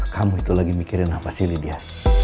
kamu itu lagi mikirin apa sih dia